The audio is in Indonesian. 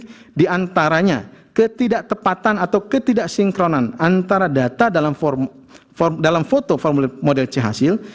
ini diantaranya ketidaktepatan atau ketidaksinkronan antara data dalam foto formulir model c hasil